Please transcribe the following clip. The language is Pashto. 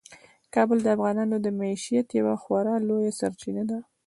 کابل د افغانانو د معیشت یوه خورا لویه سرچینه ده.